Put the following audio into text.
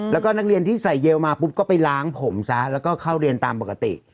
แล้วก็นักเรียนที่ใส่เยลมาปุ๊บก็ไปล้างผมซะแล้วก็เข้าเรียนตามปกติ